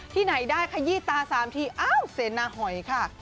ที่ไหนได้ขยี้ตา๓ทีอ้าวเสนาหอยค่ะ